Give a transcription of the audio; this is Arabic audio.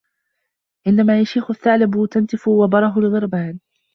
عندما يشيخ الثعلب تنتف وبره الغربان.